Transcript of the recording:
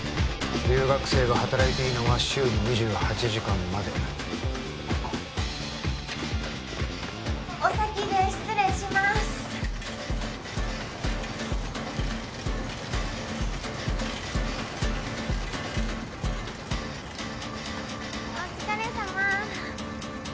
留学生が働いていいのは週に２８時間までお先で失礼します